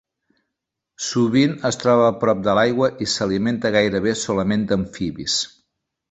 Sovint es troba prop de l'aigua i s'alimenta gairebé solament d'amfibis.